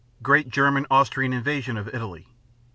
Great German Austrian invasion of Italy.